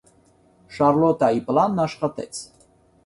Շարլոտայի պլանն աշխատեց։